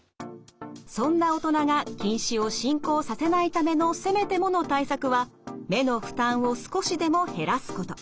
そんな大人が近視を進行させないためのせめてもの対策は目の負担を少しでも減らすこと。